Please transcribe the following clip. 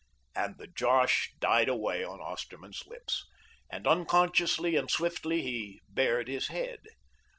And the josh died away on Osterman's lips, and unconsciously and swiftly he bared his head.